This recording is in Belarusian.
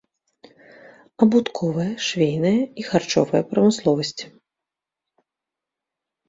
Абутковая, швейная і харчовая прамысловасць.